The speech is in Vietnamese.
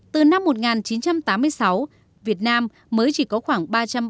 từ năm một nghìn chín trăm tám mươi sáu việt nam mới chỉ có khoảng